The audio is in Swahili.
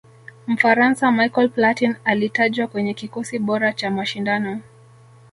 mfaransa michael platin alitajwa kwenye kikosi bora cha mashindano